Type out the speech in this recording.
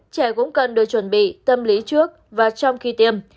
trẻ cũng cần được chuẩn bị tâm lý trước và trong khi tiêm